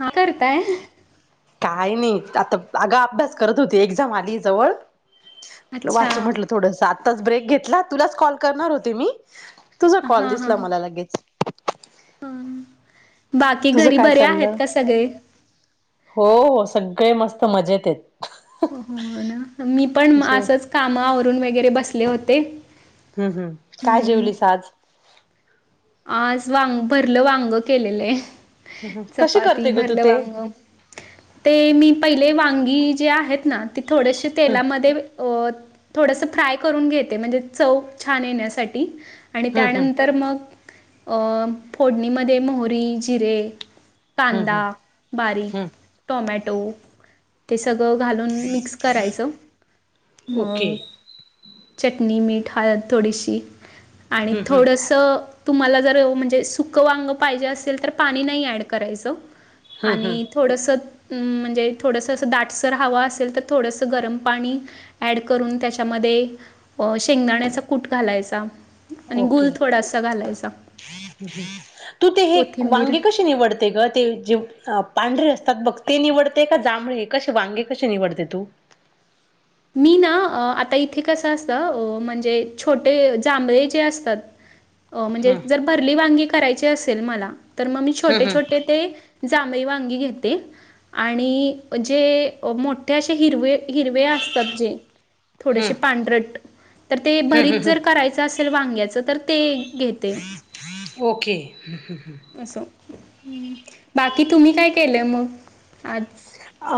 हा करताय काय नाही आता अगा अभ्यास करत होती एक्झाम आली जवळ अच्छा वाचू म्हटल थोडस आत्ताच ब्रेक घेतला तुलाच कॉल करणार होते मी तुझा कॉल हा हा दिसला मला लगेच बाकी तुझं घरी काय बरे आहेत चाललं का सगळे हो सगळे मस्त मजेतेत हो ना मी पण जेव असंच कामावरून वगैरे बसले होते हम्म हम् काय हम्म जेवली सा आज आज वांग भरलं वांग केलेलंय हम्म हम्म कशी चपाती करते ग तू भरलं ते वांग हम्म ते मी पहिले वांगी जे आहेत ना तेी थोडेसे तेलामध्ये अ थोडस फ्राय करून घेते म्हणजे चव छान येण्यासाठी आणि हम्म त्यानंतर मग अ फोडणीमध्ये मोहरी जिरे. हम्म हम्म कांदा हम्म बारीक हम्म टोमॅटो ते सगळं घालून मिक्स करायचं ओके मग चटणी मीठ. हळद थोडीशी आणि हम्म हम्म थोडंसं. तुम्हाला जर म्हणजे सुकं वांग पाहिजे, असेल तर पाणी नाही ऍड करायचं. हम्म आणि हम्म थोडस. म्हणजे थोडंसं असं दाटसर हवं असेल तर थोडंसं गरम पाणी ऍड करून त्याच्यामध्ये शेंगदाण्याचा कूट घालायचा आणि गुल ओके थोडासा घालायचा. तू ते कोथिंबीर वांगे कशी निवडते ग ते पांढरे असतात बघ ते निवडते का जांभळे कसे वांगे कसे निवडते तू [inaudible] मी ना आता इथे कसं असत, म्हणजे छोटे जांभळे जे असतात. अ म्हणजे हम्म जर भरली वांगी करायची असेल मला तर मग मी हं छोटे हं छोटे ते जांमळी वांगी घेते आणि जे मोठे असे हिरवे हिर सब्जी हं थोडेसे पांढरट. तर ते हं हं भरीत हं जर करायचं असेल वांग्याच तर ते घेते. ओके. असं. बाकी तुम्ही काय केलंय मग आज. अ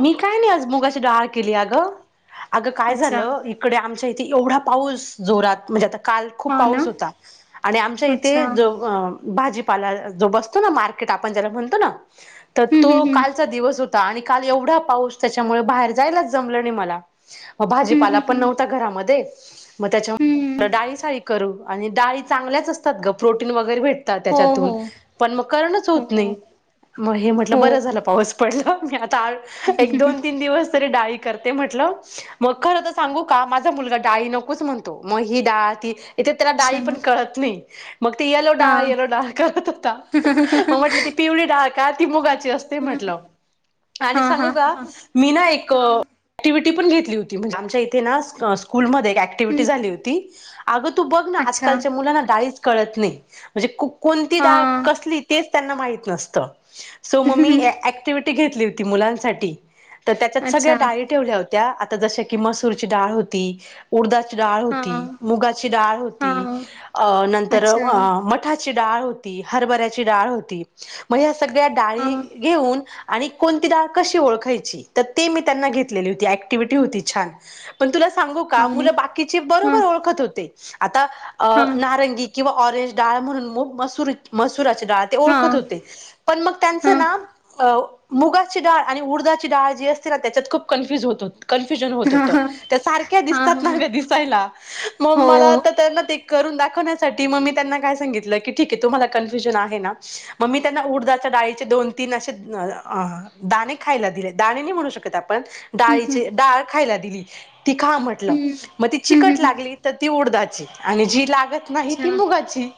मी काय नाही आज मुगाची डाळ केली अ गं अगं काय अच्छा. झालं इकडे आमच्या इथे एवढा पाऊस जोरात म्हणजे आता. काल खूप हो ना. पाऊस होता आणि आमच्या अच्छा. इथे ज भाजीपाला जो बसतो ना मार्केट आपण ज्याला म्हणतो ना तर हं, हं, तो हं. का होता आणि काल एवढा पाऊस त्याच्यामुळे बाहेर जायलाच जमलं नाही मला. मग हं, भाजीपाला हं, पण हं. नव्हता घरामध्ये मग त्याच्या हं. डाळी साळी करू आणि डाळी चांगल्याच असतात गं प्रोटन वगैरे भेटत भेटतात हो हो त्याच्यातून पण मग करणार होत नाही. हो मग हे म्हटलं हो बरं झालं पाऊस मी आता एक दोन अच्छा तीन दिवस डाळी करते म्हटलं मग खर तर सांगू का माझा मुलगा डाळी नकोच म्हणतो मग ही डाळ इथे त्याला डाळी ना पण कळत नाही. मग ती येलो हा डाळ, येलो डाळ, करत होता मग म्हटलं ती पिवळी डाळ का ती मुगा असते हम्म. म्हटलं आणि हा हा सांगू हा का हा मी ना एक हा ऍक्टिवटी ती पण घेतली होती म्हणजे आमच्या इथे ना स्कूल मध्ये एक अँक्टिव्हिटी हम्म झाली होती. अगं तू बघ ना अच्छा आजकालच्या मुलांना डाळीच कळत नाही म्हणजे को कोणती हा डाळ कसली तेच त्यांना माहित नसत सो म मी अँक्टिव्हिटी घेतली होती मुलांसाठी तर त्याच्यात सगळ्या अच्छा डाळी ठेवल्या होत्या आता जश की मसूरची डाळ होती, उडदाची डाळ हा होती, मुगाची डाळ हा होती, अ नंतर अच्छा मठाची डाळ होती, हरभऱ्याची डाळ होती, मग ह्या सगळ्या हा डाळी घेऊन आणि कोणती डाळ कशी ओळखायची तर ते मी त्यांना घेतलेली होती ॲक्टिव्हीटी होती छान पण तुला सांगू का होने मुल बाकिची हा बरोबर ओळखत होते आता हा नारंगी किंव्हा ऑरेंज डाळ म्हणून मुग मसुरी मसुराचे डाळ ते हा ओळखत होते पण मग त्यांच हा हा ना अ मुगाची डाळ आणि उडदाची डाळ जी असते ना त्याच्यात खूप कन्फ्युज होतो. कन्फ्युजन होत हा होत हा त्या सारख्या हा दिसतात ना हा ग दिसायला मग हो मला आता त्यांना ते करून दाखवण्यासाठी म मी त्यांना काय सांगितलं की ठीक आहे तुम्हाला कॅन्फुजन आहे ना म मी त्यांना उडदाच्या डाळीचे दोन तीन असे दाणे खायला दिले दाणे नाही म्हणू शकत आपण हम्म हम्म डाळीचे डाळ खायला दिली ती खा हम्म म्हटलं म ती हम्म हम्म चिकट हम्म. लागली त ती उडदाची आणि जी लाग नाही अच्छा ती मुगाची.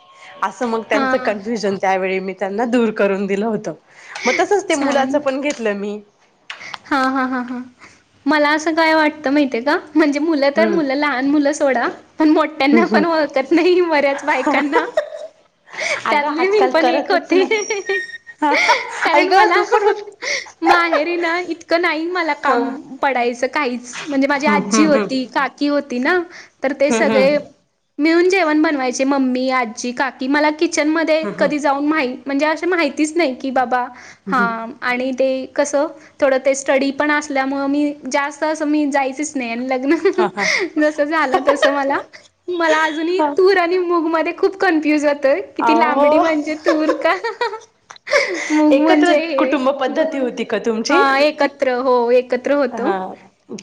असं मग हा त्यांचं कन्फ्युजन त्यावेळी मी त्यांना दूर करून दिलं होत. तसंच ते मुलाचं पण घेतलं मी. हा, हा, हा, हा मला असं काय वाटतं माहितीये का? म्हणजे मुलं तर हम्म मुलं लहान मुलं सोडा पण हम्म मोठ्यांना पण हम्म ओळखत नाही बऱ्याच बायकांना अगं त्यातली मी आजकाल पण एक करतच होती. ना आई कारण ग मला तू पण ह माहे रीना इतकं नाही मला काम पडायचं काहीच म्हणजे माझी हम्म हम्म आजी हम्म होती काकी हो ती ना तर ते हम्म सगळे हम्म मिळून जेवण बनवायचे मम्मी, आजी, काकी मला किचन मध्ये कधी जाऊन मा म्हणजे अ माहितीच नाही की बाबा हा हम्म आणि ते कसं थोडं ते स्टडी पण असल्यामुळ मी जास्त असं मी जायचच नाही आणि हा हा ल जसं झालं तस मला मला आजूनही हा तूर आणि मूग मध्ये खूप कन्फ्युज होतंय कि ती लांबडी अहो म्हणजे तूर का मग एकत्र म्हणजे ये कुटुंब पद्धती म होती का तुमची? हा एकत्र हो एक हा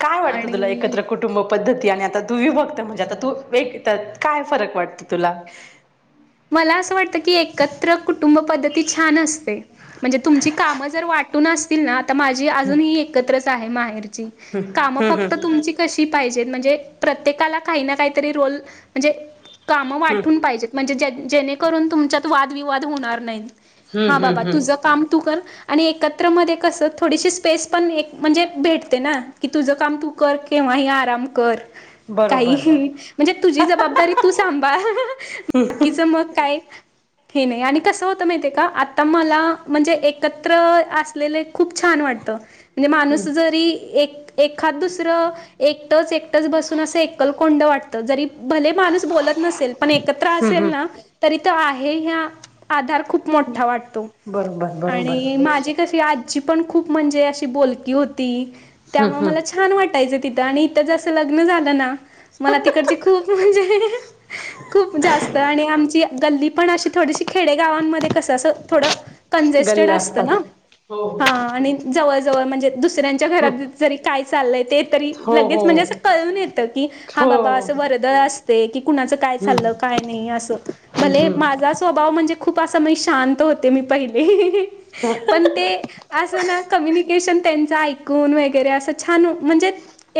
काय वाटतं तुला एकत्र कुटुंब? पद्धती आणि आता तुही बघते, म्हणजे आता तू एक त्यात काय फरक वाटत तुला? मला असं वाटत की एकत्र कुटुंब पद्धती छान असते म्हणजे तुमची कामं जर वाटली असतील ना तर माझी अजून ही एकत्रच आहे माहेरी काम हम्म फक्त हम्म तुमची कशी पाहिजे? म्हणजे प्रत्येकाला काही ना काहीतरी रोल, म्हणजे कामं हम्म वाटून पाहिजेत म्हणजे जे जे करून तुमच्यात वाद विवाद होणार नाहीत हा हम्म बाबा हम्म तुझ हम्म काम तु कर तु कर आणि एकत्र मध्ये कसं थोडी स्पेस पण म्हणजे भेटते ना की तुझ काम तु कर केव्हाही आराम कर काही बरोबर म्हणजे तुझी जबाबदारी तु सांभाळ बाकीचं मग काय. हे नाही आणि कसं होत माहितीय का आता मला म्हणजे एकत्र असलेले खूप छान वाट त हम्म माणस जरी एक एखाद दुसरं एकटच एकटच बसून अस एकलकोंड वाटतं जरी भले माणूस बोल शिल्पने [unintelligible] हम्म नसेल ला हम्म तरी इथं आहे हा आधार खूप मोठा वाटतो बरोबर बरोबर आणि हम्म माझे कसे आ आजी पण खूप म्हणे अशी बोलकी होती त्या मूळे मला हम्म छान वाटायच. तिथं आणि इथं जसं लग्न झालं ना. मला तिकडची खूप म्हणजे खूप जास्त. आणि आमची गल्ली पण अशी थोडीशी खेडेगावांमध्ये कसं असं थोडं कंजेस्टेड गल्ल्या असतं असतात. ना. हा आणि जवळ जवळ म्हणजे दुस दुसऱ्याच्या च्या हम्म घरात जरी काय चाललय ते तरी ते हो लगेच म्हणजे अस हो कळून येत की हा हो बाबा असं वार अस की कुणाच काय हम्म चाललं काय नाही अस हम्म भले हम्म माझा स्वभाव म्हणजे खूप असं म शांत होते मी पहिले पण ते अस कम्युनिकेशन त्यां ऐकून वरे अस छान म्हणजे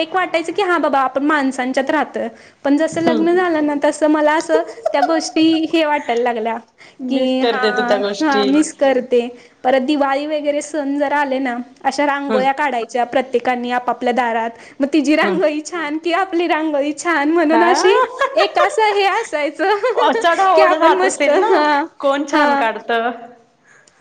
एक वाटायच की हा बाबा आपण माणसांच्यात राहत पण जस लग्न हम्म झालं ना. तसं मला असं. त्या गोष्टी हे वाटायला लागल्या मिस की करते तू त्या हा गोष्टी मिस करते. परत दिवाळी वगैरे सण जरा आले ना अशा हम्म रांगोळ्या काढायच्या प्रत्य प्रत्येकानी आप आपल्या दारात मग तिची हम्म रांगोळी छान कि आपली रांगोळी छान छान म्हणून अ हा एक असं हे असायच. चढ की ओढ आपण राहत मस्त असेल ना हा कोण हा. छान काढत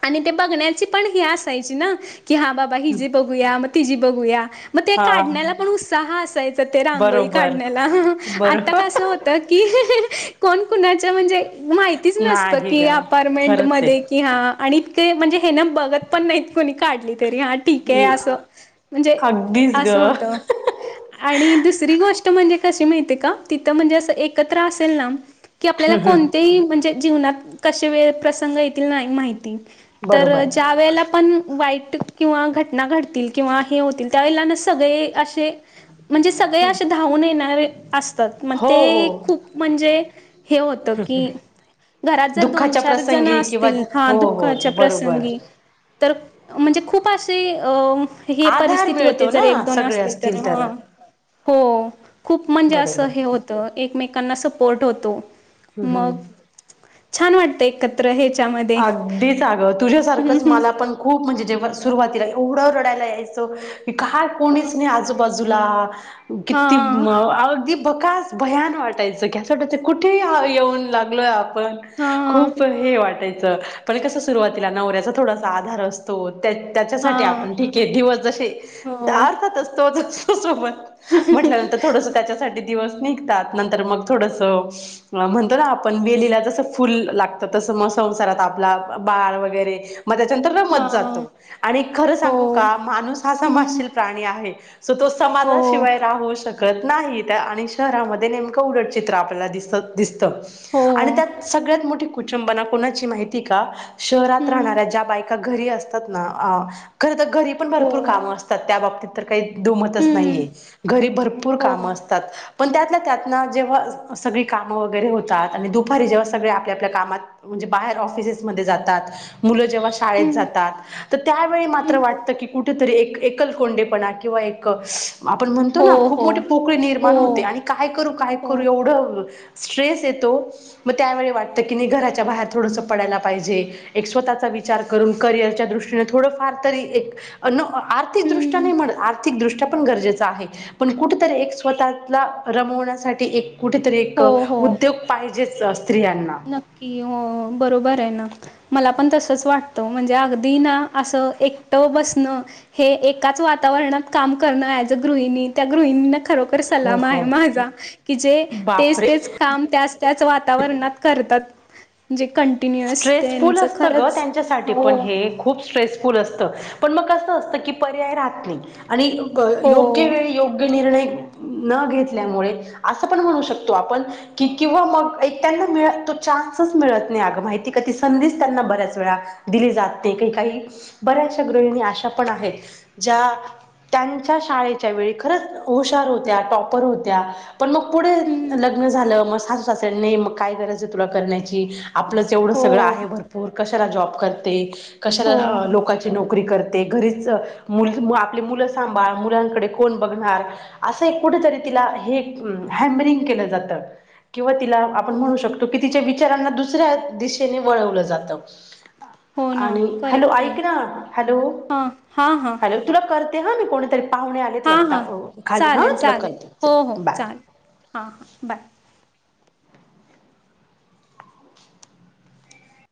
आणि ते बघण्याची पण ही असायची ना की हा बाबा हिजी बघूया मग तिजी बघूया. मग ते हा काढण्याला पण उत्साह असायचा ते रांगोळी बरोबर काढण्याला आता कसं बरोबर होत. कि कोणकुणाच्या म्हणजे माहितीच नसतं नाही की ग खरंच आहे अपारमेंटमध्ये की हा आणि इतके म्हणजे हे ना बघत पण नाहीत कोणी काढली तरी हा ठीके आहे असं म्हणजे अगदीच ग असं होत आणि दुसरी गोष्ट म्हणजे कशी माहिती का तिथ म्हणजे अस एकत्र असेल ना की आपल्याला कोणतेही म्हणजे जीवनात कसे वे प्रसंग येतील नाही माहिती तर बरोबर ज्या वेळेला पण वाई किंवा घटना घडतील किंवा हे होतील त्यावेळेला सगळे असे म्हणजे सगळे असे धावून येणारे असतात मग हो ते हो खूप म्हणजे हे होत की घरात जर दोन दुःखाच्या चार जण प्रसंगी किंवा असतील हा हो दु हो बरोबर प्रसंगी तर म्हणजे खूप असे अ हे आधार परिस्थिती होते मिळतो जर एक ना दोन सगळे असतील तर हा हो खूप म्हणजे बरोबर असं हे होतं एकमेकांना सपोर्ट होतो हम्म मग हम्म छान वाटत एकत्र ह्याच्यामध्ये सग हं, तुझ्यासारखंच हं. मला पण खूप म्हणजे जेव्हा सुरुवातीला एवढं रडायला यायचं कि काय अ, कोणीच नाही आजूबाजूला किती हां, अगदी बका भयान वाटायचं गॅस वाटायचं कुठे येऊन लागलो हां, खूप हे वाटायचं पण कस सुरुवातीला नवऱ्याचा थोडासा आधार असतो त्याच्यासाठी हां. आपण ठीक आहे दिवस जसे हो, अर्थात असतो सोबत म्हटल्यानंतर थोडस त्याच्यासाठी निघ म्हण आप संसारात आपला बाळ वगैरे मग त्याच्यानंतर रमत हां, जातो आणि खरं हो, सांगू का माणूस हा हं, समाजशील प्राणी आहे सो तो हो, समाजाशिवाय राहू शकतो नाही आणि शहरामध्ये नेमकं उलट चित्र आपल्याला दिसत दिसत हो, आणि त्या सगळ्यात मोठी कुचंबना कोणाची माहिती का शहरात हं, राहणाऱ्या ज्या बायका घरी असतात ना खर तर घरी पण हो, भरपूर कामं असतात त्या बाबतीत तर काही दुमत हं, नाहीये, घरी भरपूर हो, काम असतात पण त्यात त्यातना जेव्हा सगळी कामं वगैरे होतात आणि दुपारी जेव्हा सगळे आपल्या आपल्या कामात म्हणे बाहेर ऑफिसेस जात जेव्हा शाळेत हं, जातात तर त्यावेळी हं, वाटतं की कुठेतरी एकल कोोंडेपणा किंवा एक आपण म्हणतो हो, ना खूप हो, मोठीे पोकळी हो, निर्माण होते आणि काय करू काय हो, करू एवढं स्ट्रेस येतो मग त्यावेळी वाटतं की घरा च्या बाहेर थोडसं पडायला पाहिजे एक स्वतःचा विचार करून करिअरच्या दृष्टीने थोडंफार तरी एक आर्थिक दृष्टा हं, नाहीत आर्थिक दृष्टा गरजे आहे पण कुठतरी स्वतःला रमण्यासाठी कुठेतरी एक हो, हो. उद्योग पाहिजेच स्त्रियांना नक्की हो बरोबर आहे ना मला पण तसच वाटत म्हणजे अगदी ना अस एकट बस न हे एकाच वातावरणात काम करणं हो सलाम आहे हो माझा कि जे तेच बापरे तेच काम त्या त्याच वातावरणात करताते स्ट्रेसफुल असत ग त्यांच्यासाठी पण हो हे खूप स्ट्रेसफुल अस पण म अस असत क पर्याय राहत नाही आणि क योग्य हो. वेळी योग्य निर्णय न घेतल्यामुळे असं पण म्हणू शकतो आपण की किंवा मग एक त्यांना मिळ तो चान्स चान्स मिळत नाही माहिी संधीच त्यांना बऱ्याच वेळा दिली जाते काही काही बऱ्याचशा गृहिणी आशा पण आहेत ज्या त्यांच्या शाळेच्या वेळी खरंच हुशार होत्या टॉपर होत्या पण मग पुढे हम्म. लग्न झालं मग सासू सासरे नाही मग काय गरज आहे तुला करण्याची आपलंच एवढं हो. सगळं आहे भरपूर कशाला जॉब करते हो, कशाला हो, लोकची नोकरी करते. घरीच आपली मुलं सांभाळ मुलांकडे कोण बघणार असं कुठेतरी त्याला हॅमरिंग केलं जातं किंवा तिला आपण हो, म्हणू शकतो कि तिच्या विचारांना दुसऱ्या दिशेने वळवलं जात हो ना आणि हॅलो करेक्ट आहे. ऐक ना हॅलो हां, हां, हां. हॅलो तुला कर ते हा मी कोणीतरी पाहुणे आलेच हां वाटत हां खाली हा चालेल तुला चालेल करत हो हो बाय चालेल हां हां बाय